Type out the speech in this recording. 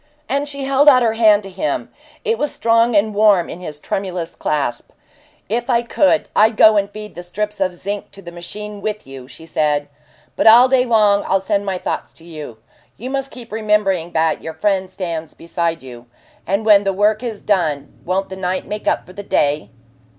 And she held out her hand to him; it was strong and warm in his tremulous clasp. "If I could, I'd go and feed the strips of zinc to the machine with you," she said. "But all day long I'll send my thoughts to you. You must keep remembering that your friend stands beside you. And when the work is done won't the night make up for the day?"